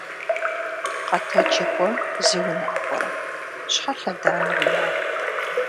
Къэтэджи кӏуэ, зи унагъуэрэ. Щхьэ лъэданэ уина?